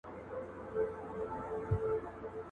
په مرگ ئې و نيسه، په تبه ئې راضي که.